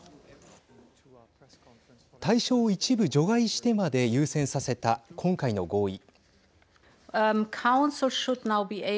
対象を一部除外してまで優先させた今回の合意。